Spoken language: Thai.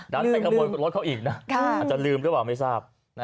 ไปกระบวนรถเขาอีกนะอาจจะลืมหรือเปล่าไม่ทราบ